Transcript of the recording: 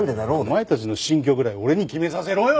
お前たちの新居ぐらい俺に決めさせろよ！